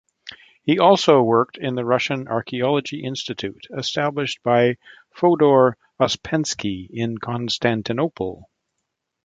He also worked in the Russian Archaeology Institute, established by Fyodor Uspensky in Constantinople.